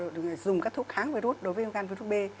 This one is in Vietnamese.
dùng các thuốc kháng virus đối với gan virus b